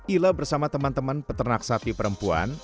ila bersama teman teman peternak sapi perempuan